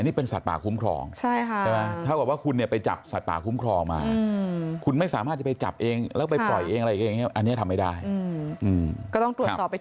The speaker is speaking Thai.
อันนี้เป็นสัตว์ป่าคุ้มครอง